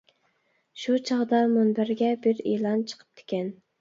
شۇ چاغدا مۇنبەرگە بىر ئېلان چىقىپتىكەن.